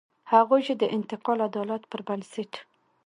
هغوی چې د انتقالي عدالت پر بنسټ.